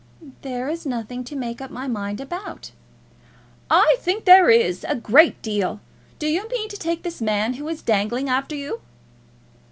"There is nothing to make up my mind about." "I think there is; a great deal. Do you mean to take this man who is dangling after you?"